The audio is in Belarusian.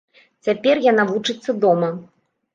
Цяпер яна вучыцца дома.